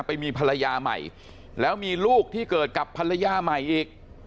ไปมีภรรยาใหม่แล้วมีลูกที่เกิดกับภรรยาใหม่อีก